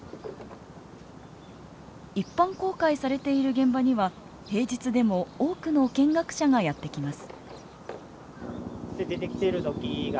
一般公開されている現場には平日でも多くの見学者がやって来ます。